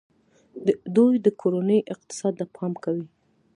دوی د کورنۍ اقتصاد ته پام کوي.